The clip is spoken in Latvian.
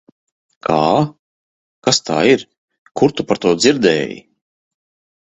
Kā? Kas tā ir? Kur tu par to dzirdēji?